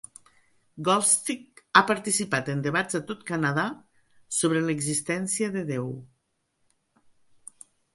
Goldstick ha participat en debats a tot Canadà sobre l'existència de Déu.